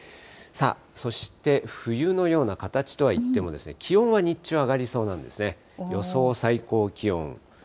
そして冬のような形とはいっても、気温は日中、上がりそうなんですね。